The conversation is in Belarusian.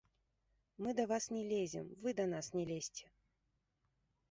Мы да вас не лезем, вы да нас не лезьце.